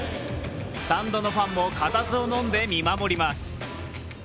スタンドのファンも固唾をのんで見守ります。